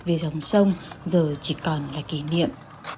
vì dòng sông giờ chỉ còn là kỷ niệm